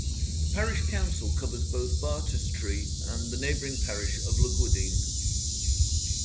The parish council covers both Bartestree and the neighbouring parish of Lugwardine.